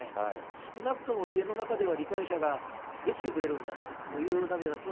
少なくとも家の中では理解者ができてくれるんだという涙だったの